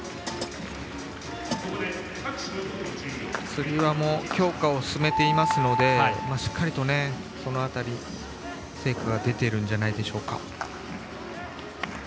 つり輪も強化を進めていますのでしっかりとその辺り、成果が出ているんじゃないでしょうか。